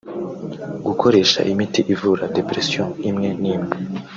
Gukoresha imiti ivura depression( imwe n’ imwe )